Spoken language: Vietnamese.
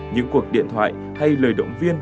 những cuộc điện thoại hay lời động viên